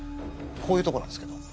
こういうとこなんですけど。